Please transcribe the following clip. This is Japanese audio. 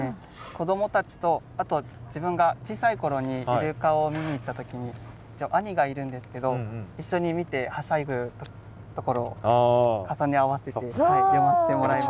子どもたちとあと自分が小さい頃にイルカを見に行った時に兄がいるんですけど一緒に見てはしゃぐところを重ね合わせて詠ませてもらいました。